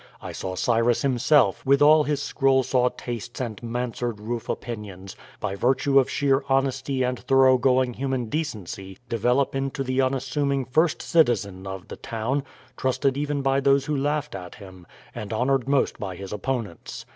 I saw Cyrus himself, with all his scroll saw tastes and mansard roof opinions, by virtue of sheer honesty and thorough going human decency, develop into the unassuming "first citizen" of the town, trusted even by those who laughed at him, and honored most by his opponents.